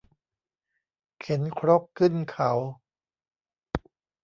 เข็นครกขึ้นเขา